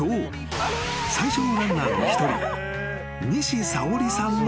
最初のランナーの一人］